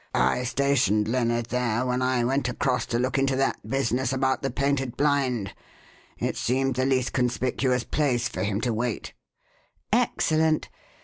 I stationed Lennard there when I went across to look into that business about the painted blind. It seemed the least conspicuous place for him to wait." "Excellent!